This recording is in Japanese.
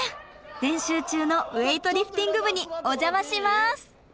練習中のウエイトリフティング部にお邪魔します。